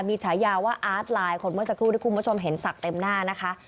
มีฉายาว่าอาร์ตไลน์คนเมื่อสักครู่ที่คุณผู้ชมเห็นศักดิ์เต็มหน้านะคะ